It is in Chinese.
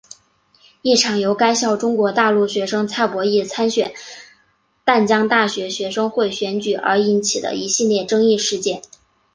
一场由该校中国大陆学生蔡博艺参选淡江大学学生会选举而引起的一系列争议事件。